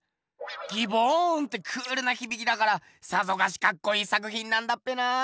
ギボーンってクールなひびきだからさぞかしかっこいい作品なんだっぺな。